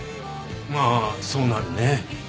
まあそうなるね。